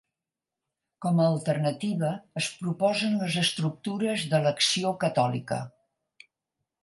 Com a alternativa es proposen les estructures de l'Acció Catòlica.